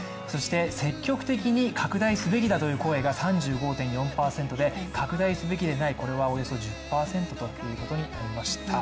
積極的に拡大すべきという声が３５．４％で拡大すべきではない、これは１０％ということになりました。